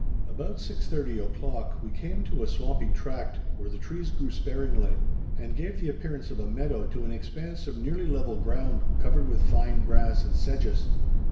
About 6.30 o'clock we came to a swampy tract, where the trees grew sparingly, and gave the appearance of a meadow to an expanse of nearly level ground, covered with fine grass and sedges.